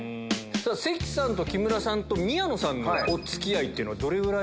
関さんと木村さんと宮野さんのお付き合いってどれぐらい。